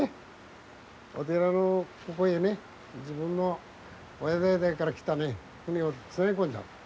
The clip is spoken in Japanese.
お寺のここへね自分の親代々から来た船をつなぎ込んだの。